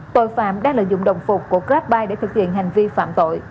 tội phạm đang lợi dụng đồng phục của grabbuy để thực hiện hành vi phạm tội